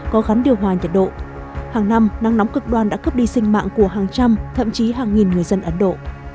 có gắn điều hòa nhiệt độ hàng năm nắng nóng cực đoan đã cướp đi sinh mạng của hàng trăm thậm chí hàng nghìn người dân ấn độ